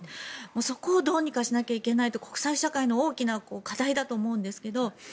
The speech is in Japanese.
そこをどうにかしないといけないというのが国際社会の大きな課題だと思うんですけど。